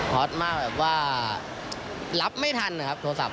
อตมากแบบว่ารับไม่ทันนะครับโทรศัพท